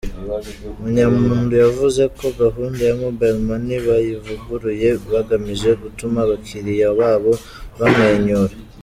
Munyampundu yavuze ko gahundu ya Mobile Money bayivuguruye bagamije gutuma abakiriya babo bamwenyura.